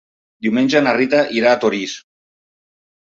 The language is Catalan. Diumenge na Rita irà a Torís.